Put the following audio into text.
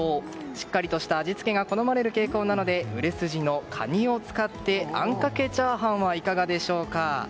しっかりとした味付けが好まれる傾向なので売れ筋のカニを使ってあんかけチャーハンはいかがでしょうか。